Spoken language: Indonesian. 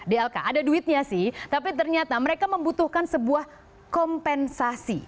dlk ada duitnya sih tapi ternyata mereka membutuhkan sebuah kompensasi